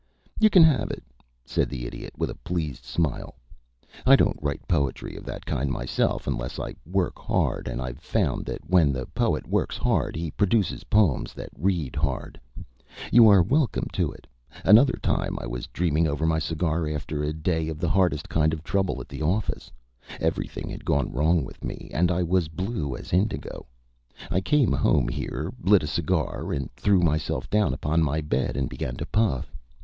"You can have it," said the Idiot, with a pleased smile. "I don't write poetry of that kind myself unless I work hard, and I've found that when the poet works hard he produces poems that read hard. You are welcome to it. Another time I was dreaming over my cigar, after a day of the hardest kind of trouble at the office. Everything had gone wrong with me, and I was blue as indigo. I came home here, lit a cigar, and threw myself down upon my bed and began to puff.